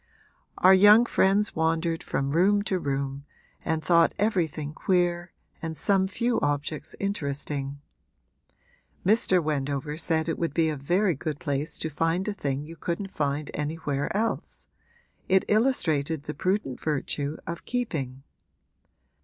Our young friends wandered from room to room and thought everything queer and some few objects interesting; Mr. Wendover said it would be a very good place to find a thing you couldn't find anywhere else it illustrated the prudent virtue of keeping.